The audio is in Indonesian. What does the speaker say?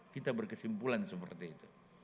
kita berkesimpulan seperti itu